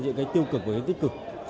những cái tiêu cực và những cái tích cực